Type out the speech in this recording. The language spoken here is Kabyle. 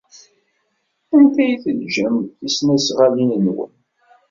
Anda ay teǧǧam tisnasɣalin-nwen?